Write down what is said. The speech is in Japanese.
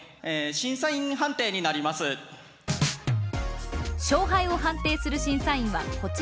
勝敗を判定する審査員はこちらの３人。